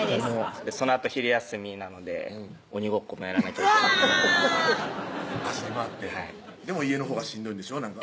そのあと昼休みなので鬼ごっこもやらなきゃいけなくて走り回ってはいでも家のほうがしんどいんでしょ？